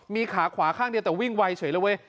มีขาขวาข้างเดียวแต่วิ่งไวเฉยเลยเว้ย